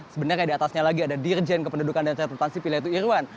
sebenarnya diatasnya lagi ada dirjen kependudukan dan catatan sipil yaitu irwan